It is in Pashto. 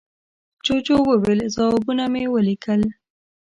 جوجو وویل، ځوابونه مې وليکل.